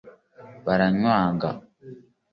baranywaga